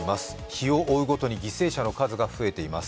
日を追うごとに犠牲者の数が増えています。